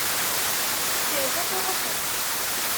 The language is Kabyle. Kkret ad truḥem!